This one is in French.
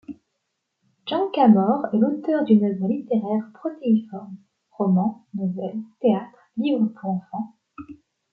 Janka Maur est l'auteur d'une œuvre littéraire protéiforme: romans, nouvelles, théâtre, livres pour enfants...